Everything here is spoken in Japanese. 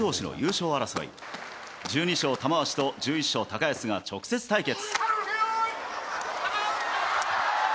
１２勝、玉鷲と１１勝、高安が直接対決。